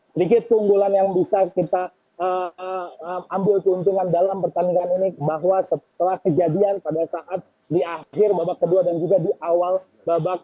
sedikit keunggulan yang bisa kita ambil keuntungan dalam pertandingan ini bahwa setelah kejadian pada saat di akhir babak kedua dan juga di awal babak